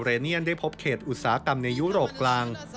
เนียนได้พบเขตอุตสาหกรรมในยุโรปกลาง